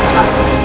jangan ganggu dia